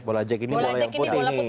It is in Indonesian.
bola jack ini bola yang putih nih